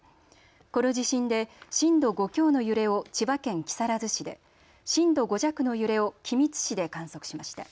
この地震で震度５強の揺れを千葉県木更津市で震度５弱の揺れを君津市で観測しました。